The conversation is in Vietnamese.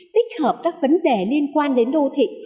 tích hợp các vấn đề liên quan đến đô thị